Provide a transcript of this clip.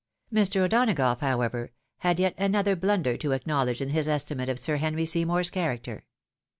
Mr. O'Donagough, however, had yet another blunder to acknowledge in his estimate of Sir Henry Seymour's character.